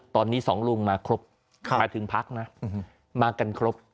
ตอนนี้สองลุงมาครบมาถึงพักนะมากันครบ